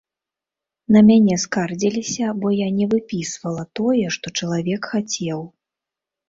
На мяне скардзіліся, бо я не выпісвала тое, што чалавек хацеў.